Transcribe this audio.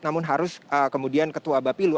namun harus kemudian ketua bapilu